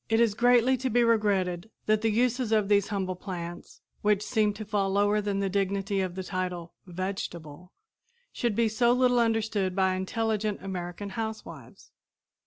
It is greatly to be regretted that the uses of these humble plants, which seem to fall lower than the dignity of the title "vegetable," should be so little understood by intelligent American housewives.